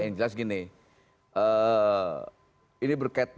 okeong seperti pengantin silva yang juga bener papa luing